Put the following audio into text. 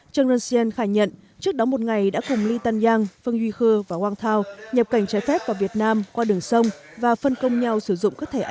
cheng renshien khả nhận trước đó một ngày đã cùng lee tan yang phương duy khưa và wang tao nhập cảnh trái phép vào việt nam qua đường sông và phân công nhau sử dụng các thẻ atm giả